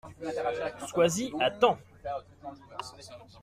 Sois-y à temps !